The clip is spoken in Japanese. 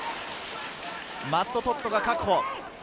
マット・トッドが確保。